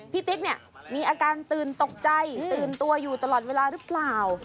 ติ๊กเนี่ยมีอาการตื่นตกใจตื่นตัวอยู่ตลอดเวลาหรือเปล่า